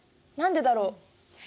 何でだろう。